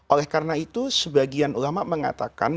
oleh karena itu sebagian ulama mengatakan